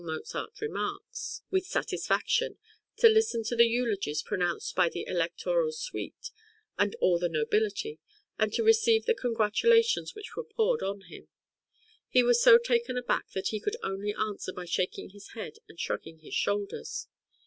Mozart remarks with satisfaction, to listen to the eulogies pronounced by the electoral suite and all the nobility, and to receive the congratulations which were poured on him. He was so taken aback that he could only answer by shaking his head and shrugging his shoulders.